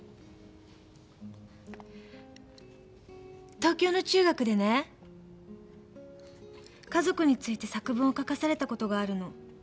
東京の中学でね家族について作文を書かされたことがあるの。